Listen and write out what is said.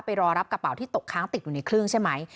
รอรับกระเป๋าที่ตกค้างติดอยู่ในเครื่องใช่ไหม